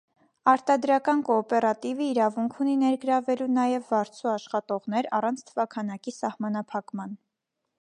Արտադրական կոոպերատիվը իրավունք ունի ներգրավելու նաև վարձու աշխատողներ՝ առանց թվաքանակի սահմանափակման։